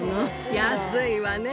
安いわね！